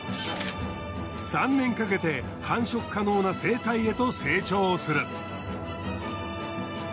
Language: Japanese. ３年かけて繁殖可能な成体へと成長する。